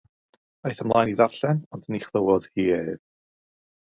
Aeth ymlaen i ddarllen, ond ni chlywodd hi ef.